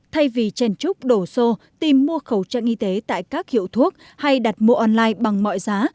thay vì chèn trúc đổ xô tìm mua khẩu trang y tế tại các hiệu thuốc hay đặt mua online bằng mọi giá